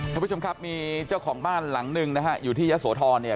ท่านผู้ชมครับมีเจ้าของบ้านหลังหนึ่งนะฮะอยู่ที่ยะโสธรเนี่ย